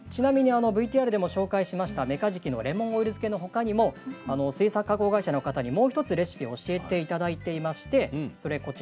ＶＴＲでも紹介しましたメカジキのレモンオイル漬けのほかにも水産加工会社の方にもう１つレシピを教えていただいています。